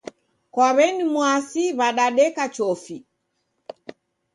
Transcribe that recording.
Kwa w'eni Mwasi wadadeka chofi.